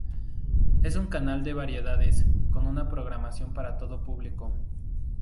Es un Canal de Variedades, con una programación para todo público.